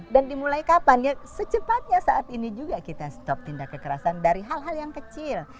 dan dimulai kapan ya secepatnya saat ini juga kita stop tindak kekerasan dari hal hal yang kecil